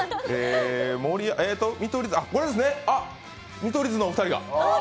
見取り図のお二人が！